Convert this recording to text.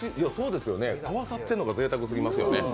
合わさってるのがぜいたくすぎますよね。